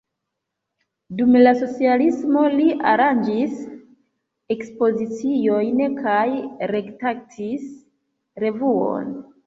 Dum la socialismo li aranĝis ekspoziciojn kaj redaktis revuon.